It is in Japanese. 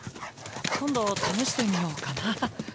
今度試してみようかな。